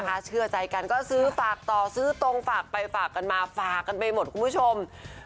ถ้าเชื่อใจกันก็ซื้อฝากต่อซื้อตรงฝากไปฝากกันมาฝากกันไปหมดคุณผู้ชม